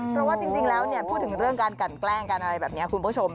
เพราะว่าจริงแล้วพูดถึงเรื่องการกันแกล้งกันอะไรแบบนี้คุณผู้ชม